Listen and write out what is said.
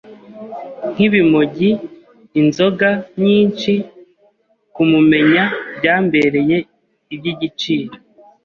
nk’ibimogi inzoga nyinshi… kumumenya byambereye ibyigiciro